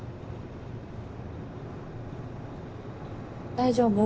大丈夫？